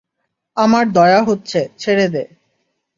আমার দয়া হচ্ছে, ছেড়ে দে।